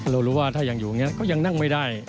เรารู้ว่าถ้ายังอยู่อย่างนี้ก็ยังนั่งไม่ได้